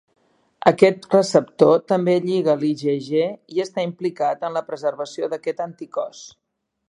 Aquest receptor també lliga l'IgG i està implicat en la preservació d'aquest anticòs.